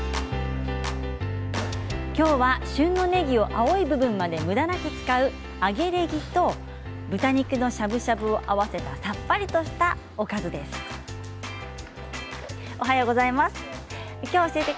きょうは旬のねぎを青い部分までむだなく使う揚げねぎと豚肉のしゃぶしゃぶを合わせたさっぱりとしたおかずです。